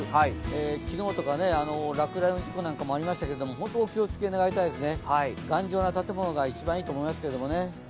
昨日とか落雷の事故もありましたが本当にお気をつけ願いたいですね、頑丈な建物が一番いいと思いますけどね。